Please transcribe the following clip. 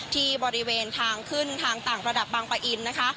ที่บริเวณทางขึ้นทางต่างระดับบางปะอินนะคะ